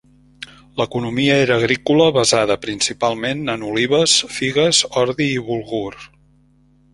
L'economia era agrícola, basada principalment en olives, figues, ordi i bulgur.